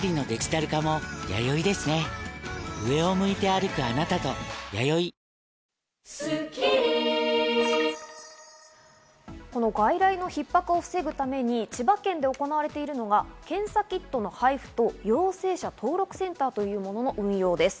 あるいは、この外来のひっ迫を防ぐために千葉県で行われているのが、検査キットの配布と陽性者登録センターというものの運用です。